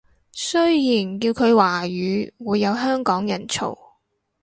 雖然叫佢華語會有香港人嘈